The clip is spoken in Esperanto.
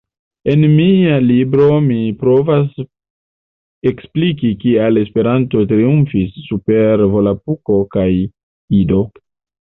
En mia libro mi provas ekspliki kial Esperanto triumfis super Volapuko kaj Ido.